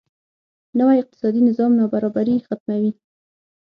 نوی اقتصادي نظام نابرابري ختموي.